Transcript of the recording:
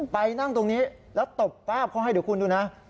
ไปนั่งตรงนี้แล้วตบป้าบเขาให้เดี๋ยวคุณดูนะ